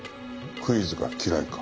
クイズが嫌いか。